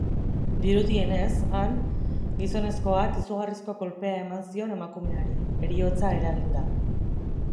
Dirudienez, han, gizonezkoak izugarrizko kolpea eman zion emakumeari, heriotza eraginda.